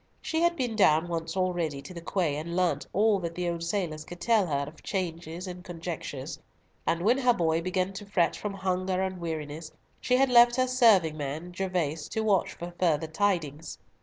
She had been down once already to the quay, and learnt all that the old sailors could tell her of chances and conjectures; and when her boy began to fret from hunger and weariness, she had left her serving man, Gervas, to watch for further tidings.